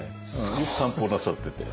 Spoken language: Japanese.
よく散歩なさってて。